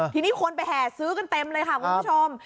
ทีนี้คนไปแห่ซื้อกันเต็มเลยค่ะคุณผู้ชม